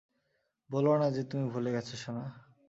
বোলো না যে তুমি ভুলে গেছ, সোনা।